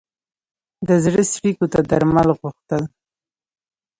د زړه څړیکو ته درمل غوښتل.